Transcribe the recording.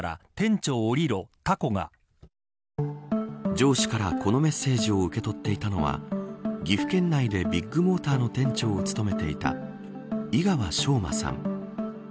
上司からこのメッセージを受け取っていたのは岐阜県内で、ビッグモーターの店長を務めていた井川翔馬さん。